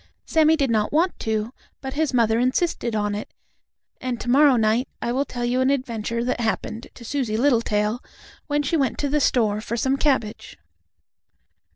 Sammie did not want to, but his mother insisted on it, and to morrow night I will tell you an adventure that happened to Susie Littletail, when she went to the store for some cabbage.